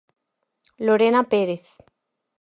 Lorena Pérez.